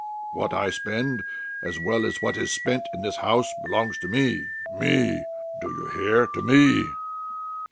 What I spend as well as what is spent in this house belongs to me me. Do you hear? To me!"